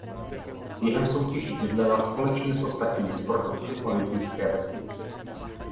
Během soutěží bydlela společně s ostatními sportovci v olympijské vesnici.